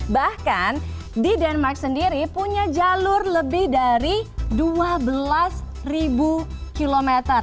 bahkan di denmark sendiri punya jalur lebih dari dua belas km